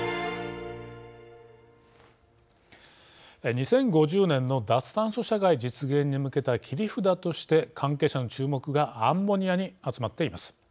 ２０５０年の脱炭素社会実現に向けた切り札として関係者の注目がアンモニアに集まっています。